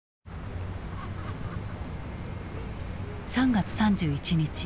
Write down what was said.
３月３１日